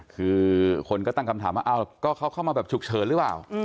คือคนก็ตั้งคำถามว่าก็เขาเข้ามาแบบฉุกเฉินหรือเปล่า